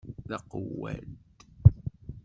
Taqewwadt!